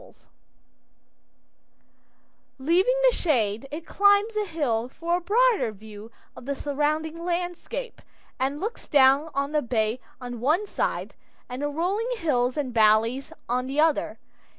[Illustration: THE OLD ROAD] Leaving the shade, it climbs the hill for a broader view of the surrounding landscape, and looks down on the bay on one side, and the rolling hills and valleys on the other.